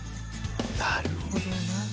なるほどな。